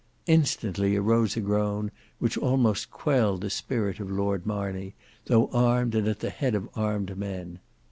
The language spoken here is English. Instantly arose a groan which almost quelled the spirit of Lord Marney, though armed and at the head of armed men.